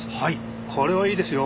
これはいいですよ。